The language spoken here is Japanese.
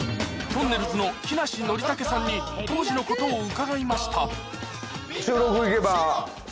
とんねるずの木梨憲武さんに当時のことを伺いました